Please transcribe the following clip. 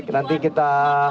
baik nanti kita